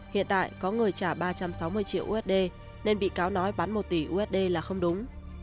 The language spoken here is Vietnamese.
hiện tại có người trả ba trăm sáu mươi triệu usd nên bị cáo nói bán một tỷ usd là không đúng